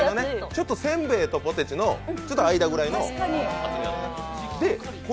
ちょっとせんべいとポテチの間ぐらいの厚み。